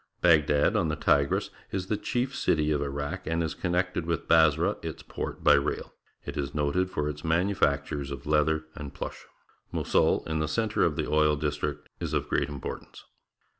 — Bagdad, on the Tigris, is the chief city of Iraq and is connected wth Basra, its port, by rail. It is noted for its manufactures of leather and plush. Mosul, in the centre of the oil district, is of great importance.